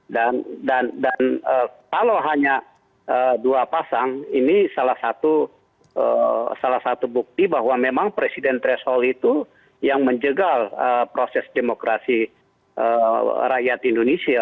dan kalau hanya dua pasang ini salah satu bukti bahwa memang presiden tresol itu yang menjegal proses demokrasi rakyat indonesia